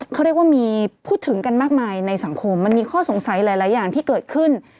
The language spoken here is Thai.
เขาเรียกว่ามีพูดถึงกันมากมายในสังคมมันมีข้อสงสัยหลายอย่างที่เกิดขึ้น